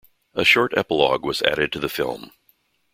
A short epilogue was added to the film.